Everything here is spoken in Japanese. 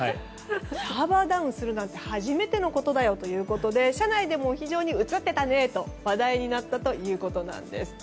サーバーダウンするなんて初めてのことだよということで社内でも非常に、映っていたねと話題になったということです。